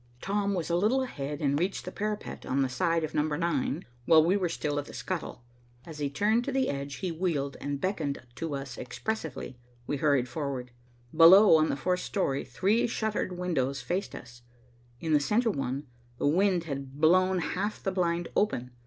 Tom was a little ahead and reached the parapet on the side of Number 9, while we were still at the scuttle. As he turned to the edge, he wheeled and beckoned to us expressively. We hurried forward. Below, on the fourth story, three shuttered windows faced us. In the centre one, the wind had blown half the blind open.